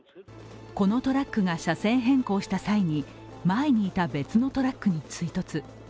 このトラックが車線変更した際に前にいた別のトラックに追突。